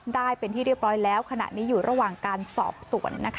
ได้เป็นที่เรียบร้อยแล้วขณะนี้อยู่ระหว่างการสอบสวน